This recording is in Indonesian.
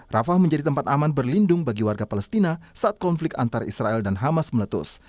rafah menjadi tempat aman berlindung bagi warga palestina saat konflik antara israel dan hamas meletus